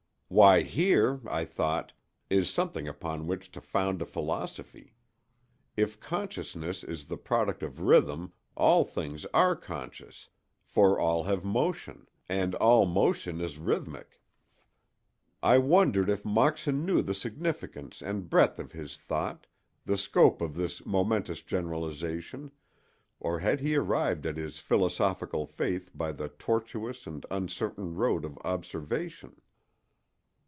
Why, here, (I thought) is something upon which to found a philosophy. If consciousness is the product of rhythm all things are conscious, for all have motion, and all motion is rhythmic. I wondered if Moxon knew the significance and breadth of his thought—the scope of this momentous generalization; or had he arrived at his philosophic faith by the tortuous and uncertain road of observation?